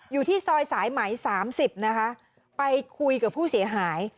อยู่ที่ซอยสายไหม๓๐นะคะไปคุยกับผู้เสียหาย